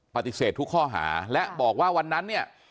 ปฏิเสธทุกข้อหาและบอกว่าวันนั้นเนี่ย